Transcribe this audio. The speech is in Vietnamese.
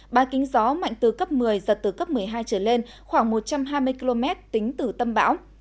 ba kính gió mạnh từ cấp một mươi giật từ cấp một mươi hai trở lên khoảng một trăm hai mươi km tính từ tâm bão